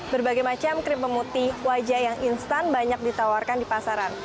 berbagai macam krim pemutih wajah yang instan banyak ditawarkan di pasaran